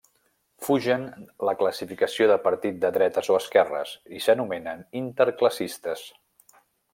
Fugen la classificació de partit de dretes o esquerres, i s'anomenen interclassistes.